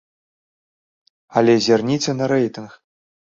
Але зірніце на рэйтынг.